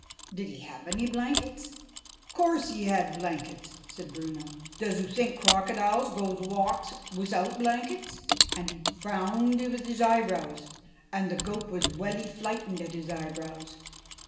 "Did he have any blankets?" "Course he had blankets," said Bruno. "Does oo think crocodiles goes walks wisout blankets? And he frowned with his eyebrows. And the goat was welly flightened at his eyebrows."